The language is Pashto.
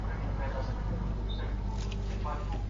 کله چې زه د یو چا جنازه وینم نو مرګ رایادیږي.